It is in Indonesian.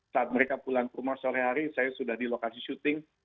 saat mereka pulang ke rumah sore hari saya sudah di lokasi syuting